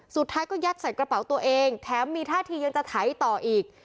สุดท้ายก็ยัดใส่กระเป๋าตัวเองแถมมีท่าทียังจะไถต่ออีก